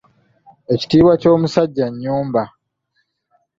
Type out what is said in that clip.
Ekitiibwa ky’omusajja nnyumba.